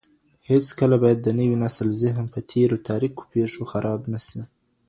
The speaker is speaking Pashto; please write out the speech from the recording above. هيڅکله بايد د نوي نسل ذهن په تېرو تاريکو پېښو خراب نه سي.